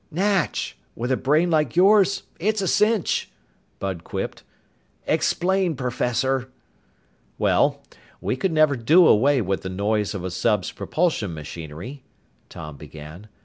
"Natch! With a brain like yours, it's a cinch," Bud quipped. "Explain, professor." "Well, we can never do away with the noise of a sub's propulsion machinery," Tom began.